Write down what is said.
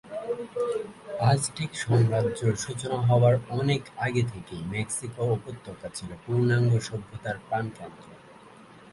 Aztec সাম্রাজ্য সূচনা হবার অনেক আগে থেকেই মেক্সিকো উপত্যকা ছিল পূর্ণাঙ্গ সভ্যতার প্রাণকেন্দ্র।